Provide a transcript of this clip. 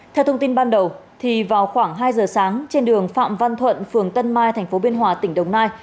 theo thông tin ban đầu vào khoảng hai giờ sáng trên đường phạm văn thuận phường tân mai tp biên hòa tỉnh đồng nai